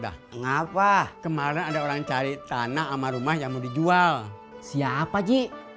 angga apa kemarin ada orang heta mak breathe yang mau dijual siapa ji